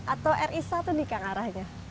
atau ri satu nih kang arahnya